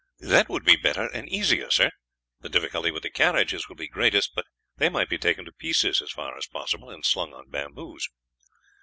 "That would be better and easier, sir. The difficulty with the carriages will be greatest, but they might be taken to pieces as far as possible and slung on bamboos."